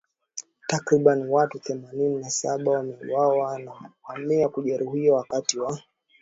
Takribani watu themanini na saba wameuawa na mamia kujeruhiwa wakati wa